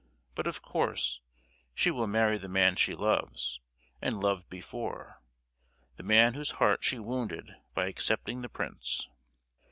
But of course she will marry the man she loves, and loved before, the man whose heart she wounded by accepting the prince.